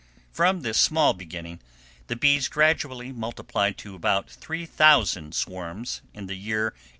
From this small beginning the bees gradually multiplied to about 3000 swarms in the year 1873.